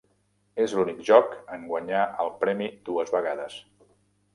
És l'únic joc en guanyar el premi dues vegades.